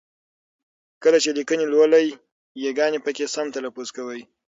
کله چې لیکني لولئ ی ګاني پکې سمې تلفظ کوئ!